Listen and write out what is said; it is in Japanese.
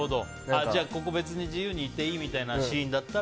ここは自由にいっていいみたいなシーンだったら？